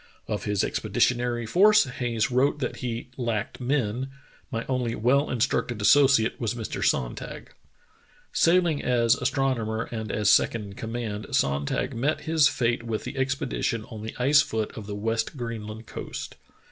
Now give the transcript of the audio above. Of his expeditionary force Hayes wrote that he "lacked men. My only well instructed associate was Mr. Sonntag. " Sailing as astronomer and as second in command, Sonntag met his fate with the expedition on the ice foot of the West Greenland coast.